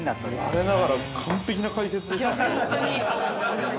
◆我ながら完璧な解説でしたね。